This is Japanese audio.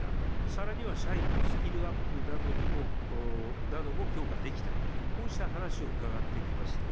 さらには社員のスキルアップなども強化できた、こうした話を伺ってきました。